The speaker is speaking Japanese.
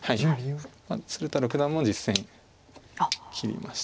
鶴田六段も実戦切りました。